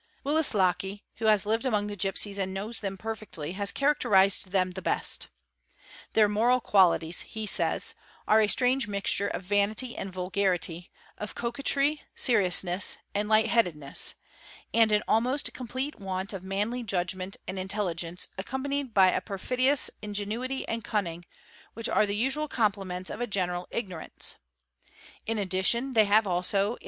; Wlislocki ®, who has lived among the gipsies and knows them per — fectly has characterised them the best :—'"' Their moral qualities," he says, — "are a strange mixture of vanity and vulgarity, of coquetry, seriousness, — and light headedness, and an almost complete want of manly judgment and intelligence accompanied by a perfidious ingenuity and cunning, which are the usual complements of a general ignorance ; in addition, they have also in.